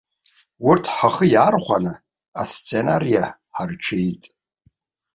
Урҭ ҳхы иархәаны асценариа ҳарҽеит.